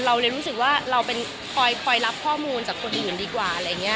เราเลยรู้สึกว่าเราเป็นคอยรับข้อมูลจากคนอื่นดีกว่าอะไรอย่างนี้